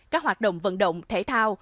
các hoạt động vận động thể thao